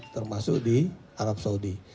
termasuk di arab saudi